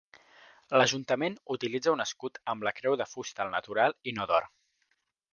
L'Ajuntament utilitza un escut amb la creu de fusta al natural i no d'or.